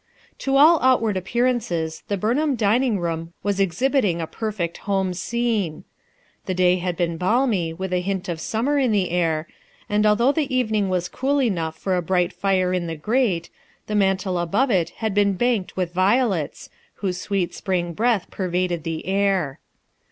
To all outward appearances the Burnham dining room was exhibiting a perfect home scene. The day had been balmy, with a hint of summer in the air, and although the evening was cool 137 encr ab # in room 138 RUTH EUSKINE S SON „jugh for a bright fire in the grate, the mantle above it had been banked with violets, whose rect spring breath pervaded the air.